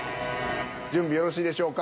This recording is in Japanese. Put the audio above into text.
準備よろしいでしょうか？